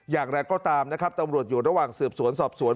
อย่างไรก็ตามนะครับตำรวจอยู่ระหว่างสืบสวนสอบสวน